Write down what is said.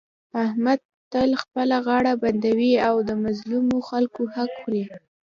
احمد تل خپله غاړه بندوي او د مظلومو خلکو حق خوري.